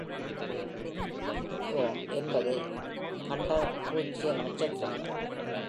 give home என்பது hunter பூஜ்ஜிய நட்சத்திரங்கள்